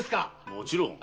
もちろん。